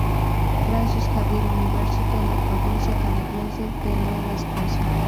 Francis Xavier University, en la provincia canadiense de Nueva Escocia.